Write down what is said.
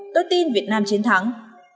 tôi tin việt nam chiến thắng